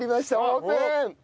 オープン。